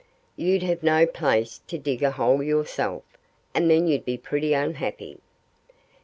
You'd have no place to dig a hole yourself. And then you'd be pretty unhappy."